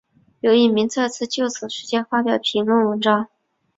刘逸明再次就此事件发表评论文章。